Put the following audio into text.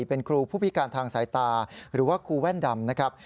เป็นครูผู้พิการทางสายตาหรือว่าครูแว่นดำนะครับ